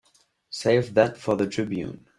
Save that for the Tribune.